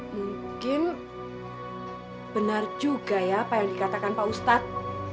mungkin benar juga ya apa yang dikatakan pak ustadz